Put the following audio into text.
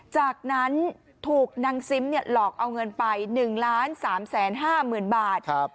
จากนั้นถูกนังซิมเนี่ยหลอกเอาเงินไปหนึ่งล้านสามแสนห้าหมื่นบาทครับ